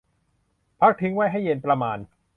พักทิ้งไว้ให้เย็นประมาณ